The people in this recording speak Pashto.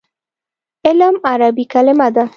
علم عربي کلمه ده.